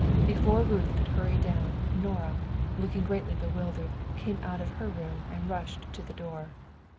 Before Ruth could hurry down, Nora, looking greatly bewildered, came out of her room and rushed to the door.